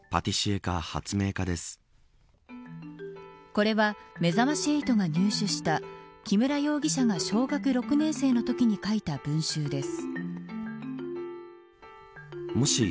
これは、めざまし８が入手した木村容疑者が小学６年生のときに書いた文集です。